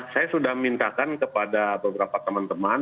saya sudah mintakan kepada beberapa teman teman